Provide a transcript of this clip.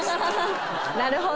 なるほど。